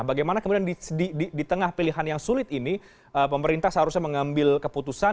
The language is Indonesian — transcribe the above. bagaimana kemudian di tengah pilihan yang sulit ini pemerintah seharusnya mengambil keputusan